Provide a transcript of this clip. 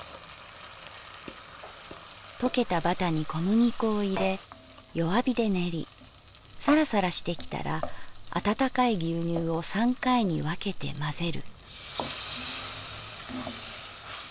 「とけたバタに小麦粉をいれ弱火で練りサラサラしてきたら温かい牛乳を三回にわけてまぜる」。